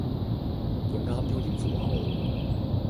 用啱標點符號